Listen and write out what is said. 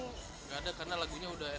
gak ada karena lagunya udah enak